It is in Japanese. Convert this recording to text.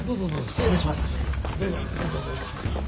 失礼します。